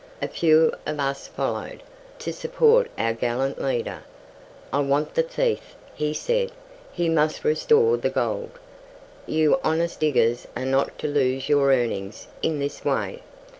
A few of us followed, to support our gallant leader. "I want the thief," he said; "he must restore the gold. You honest diggers are not to lose your earnings in this way."